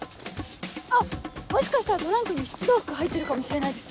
あっもしかしたらトランクに出動服入ってるかもしれないです。